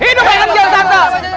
hidup raden kian santang